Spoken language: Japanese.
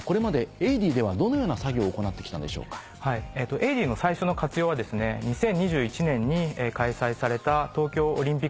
「エイディ」の最初の活用は２０２１年に開催された東京オリンピックでした。